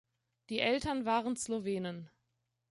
Die Eltern waren Slowenen.